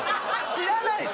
知らないです